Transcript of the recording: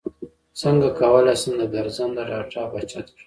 څنګه کولی شم د ګرځنده ډاټا بچت کړم